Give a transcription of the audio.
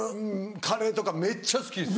カレーとかめっちゃ好きです。